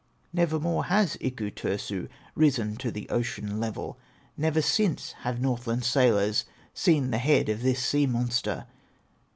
Nevermore has Iku Turso Risen to the ocean level; Never since have Northland sailors Seen the head of this sea monster.